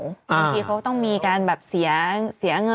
บางทีเขาต้องมีการแบบเสียเงินค่าเสื้อ